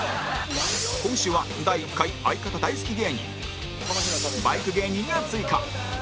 今週は第１回愛方大好き芸人バイク芸人が追加